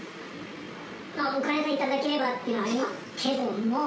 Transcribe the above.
お金さえいただければっていうのはありますけれども。